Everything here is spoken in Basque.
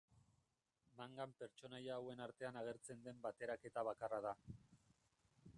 Mangan pertsonaia hauen artean agertzen den bateraketa bakarra da.